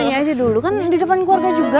iya aja dulu kan di depan keluarga juga